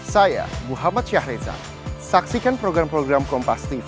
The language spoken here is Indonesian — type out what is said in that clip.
saya muhammad syahrezan saksikan program program kompas tv